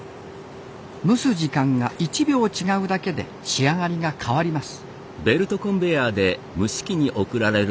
蒸す時間が１秒違うだけで仕上がりが変わります